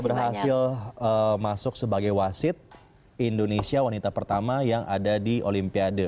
berhasil masuk sebagai wasit indonesia wanita pertama yang ada di olimpiade